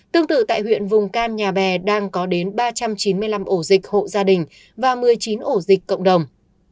tương tự tại huyện vùng cam nhà bè đang có đến ba trăm chín mươi năm ổ dịch hộ gia đình và một mươi chín ổ dịch cộng đồng